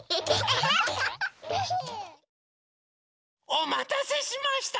おまたせしました！